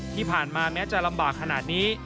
ที่ผ่านมาแม้จะลำบากขนาดนี้